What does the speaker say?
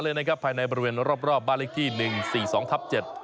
เลยนะครับภายในบริเวณรอบบาลิกที่๑๔๒ทั้บ๗หมู่๑